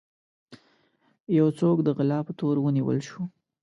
يو څوک د غلا په تور ونيول شو.